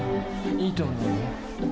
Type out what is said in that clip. いいと思うよ。